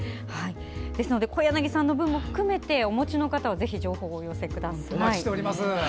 ですので、小柳さんの分も含めてお持ちの方はぜひ情報をお寄せください。